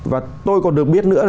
và tôi còn được biết nữa là